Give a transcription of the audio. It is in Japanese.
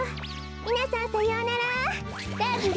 みなさんさようならラブリー。